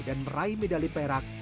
dan meraih medali perak